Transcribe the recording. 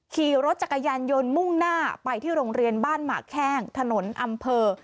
ขี่รถจักรยานยนต์มุ่งหน้าไปที่โรงเรียนบ้านหมากแข้งถนนอำเภอ